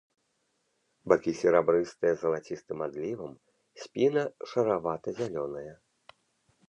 Бакі серабрыстыя з залацістым адлівам, спіна шаравата-зялёная.